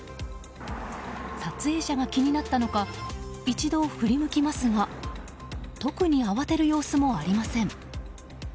撮影者が気になったのか一度、振り向きますが特に慌てる様子もありません。